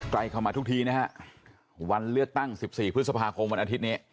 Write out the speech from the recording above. เข้ามาทุกทีนะฮะวันเลือกตั้ง๑๔พฤษภาคมวันอาทิตย์นี้